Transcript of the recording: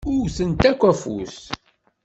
Wwtent akk afus.